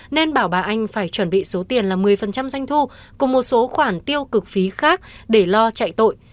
nên bảo bà bà anh phải chuẩn bị số tiền là một mươi doanh thu cùng một số khoản tiêu cực phí khác để lo chạy tội